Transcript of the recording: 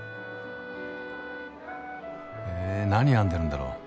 へ何編んでるんだろう？